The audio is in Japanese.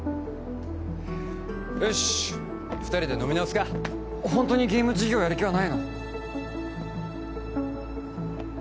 よし二人で飲み直すかホントにゲーム事業やる気はないの？